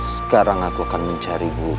sekarang aku akan mencari guru